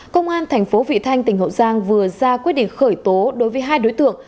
công an thành phố vị thanh tỉnh hậu giang vừa ra quyết định khởi tố đối với hai đối tượng